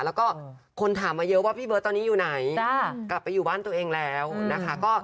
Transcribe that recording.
แล้วก็คนถามมาเยอะว่าพี่เบิร์ตตอนนี้อยู่ไหนกลับไปอยู่บ้านตัวเองแล้วนะคะ